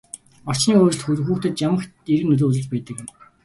Орчны өөрчлөлт хүүхдэд ямагт эерэг нөлөө үзүүлж байдаг юм.